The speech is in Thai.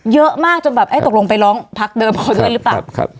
เยอะมากจนแบบตกลงไปร้องภักดิ์เดิมเหรอป่ะ